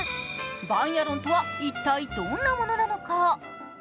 バンヤロンとは一体どんなものなのか？